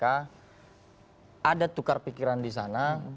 ada tukar pikiran di sana